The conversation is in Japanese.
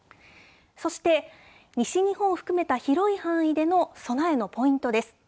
そして、西日本を含めた広い範囲での備えのポイントです。